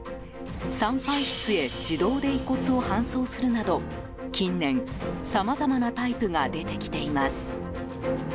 参拝室へ自動で遺骨を搬送するなど近年、さまざまなタイプが出てきています。